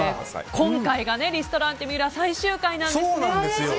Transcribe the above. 今回がリストランテＭＩＵＲＡ最終回なんですよね。